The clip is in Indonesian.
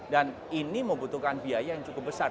dan ini membutuhkan biaya yang cukup besar